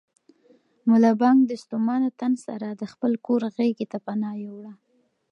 ملا بانګ د ستومانه تن سره د خپل کور غېږې ته پناه یووړه.